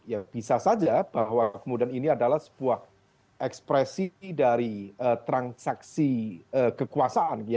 ya bisa saja bahwa kemudian ini adalah sebuah ekspresi dari transaksi kekuasaan